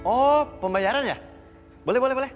oh pembayaran ya boleh boleh